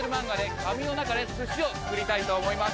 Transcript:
紙の中で寿司を作りたいと思います。